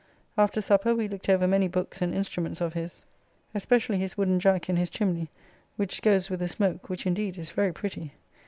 After supper we looked over many books, and instruments of his, especially his wooden jack in his chimney, which goes with the smoke, which indeed is very pretty.